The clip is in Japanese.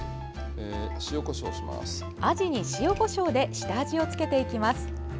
アジに塩、こしょうで下味をつけていきます。